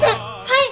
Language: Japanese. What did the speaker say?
はい！